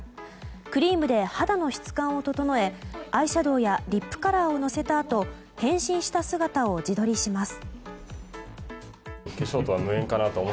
クリームで肌の質感を整えアイシャドーやリップカラーをのせたあと変身した姿を自撮りします。